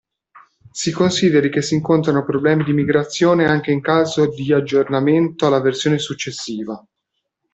Si consideri che si incontrano problemi di migrazione anche in caso di aggiornamento alla versione successiva.